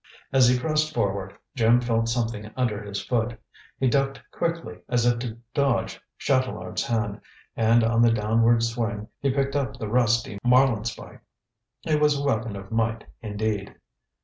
As he pressed forward, Jim felt something under his foot. He ducked quickly, as if to dodge Chatelard's hand, and on the downward swing he picked up the rusty marlinespike. It was a weapon of might, indeed.